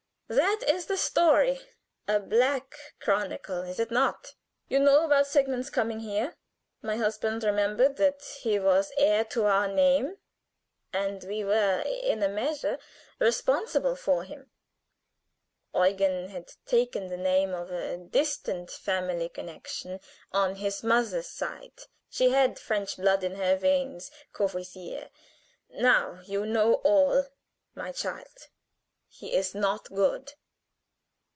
That is the story a black chronicle, is it not? You know about Sigmund's coming here. My husband remembered that he was heir to our name, and we were in a measure responsible for him. Eugen had taken the name of a distant family connection on his mother's side she had French blood in her veins Courvoisier. Now you know all, my child he is not good.